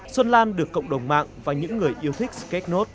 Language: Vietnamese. xuân lan được cộng đồng mạng và những người yêu thích sketood